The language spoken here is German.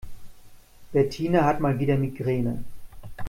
Bettina hat mal wieder Migräne.